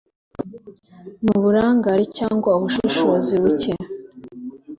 N uburangare cyangwa ubushishozi bucye